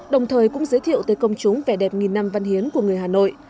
đồng thời cũng giới thiệu tới công chúng vẻ đẹp nghìn năm văn hiến của người hà nội